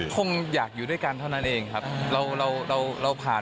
ต้องอยากอยู่ด้วยกันอย่างกินเท่าคน่าเมื่อไหร่